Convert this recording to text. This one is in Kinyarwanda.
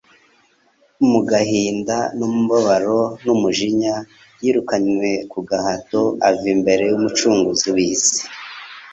Mu gahinda n’umubabaro n’umujinya, yirukanywe ku gahato ava imbere y’Umucunguzi w’isi